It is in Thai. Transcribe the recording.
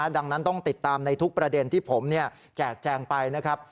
ดังนั้นต้องติดตามในทุกประเด็นที่ผมแจกแจงไปนะครับ